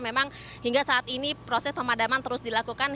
memang hingga saat ini proses pemadaman terus dilakukan